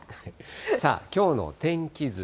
さあ、きょうの天気図。